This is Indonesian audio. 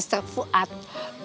gua mesti lihat duluan ya